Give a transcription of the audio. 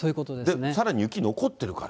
さらに雪、残ってるから。